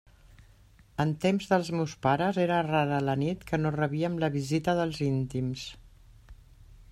En temps dels meus pares era rara la nit que no rebíem la visita dels íntims.